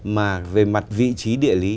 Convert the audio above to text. mà về mặt vị trí địa lý